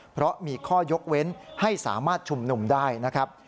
เพราะมีข้อยกเว้นให้สามารถชุมนุมได้นะครับ